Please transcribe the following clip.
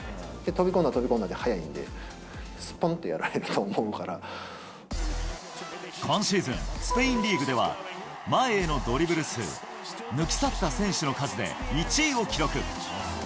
飛び込んだら飛び込んだで速いん今シーズン、スペインリーグでは、前へのドリブル数、抜き去った選手の数で１位を記録。